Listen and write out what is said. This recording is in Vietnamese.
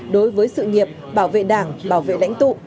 đối với sự nghiệp bảo vệ đảng bảo vệ lãnh tụ